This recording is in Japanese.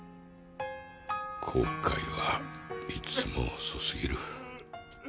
後悔はいつも遅すぎる。